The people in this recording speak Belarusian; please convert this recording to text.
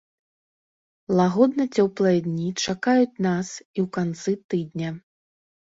Лагодна-цёплыя дні чакаюць нас і ў канцы тыдня.